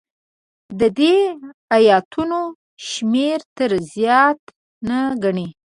د دې ایتونو شمېر تر زیات نه ګڼي.